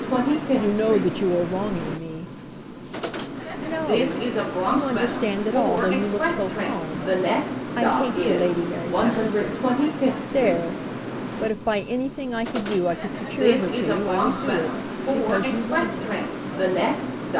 "You know that you are wronging me." "No! You understand it all though you look so calm. I hate your Lady Mary Palliser. There! But if by anything I could do I could secure her to you I would do it, because you want it."